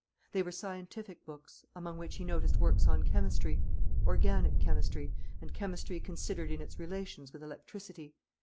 They were scientific books, among which he noticed works on chemistry: "Organic Chemistry" and "Chemistry Considered in Its Relations with Electricity."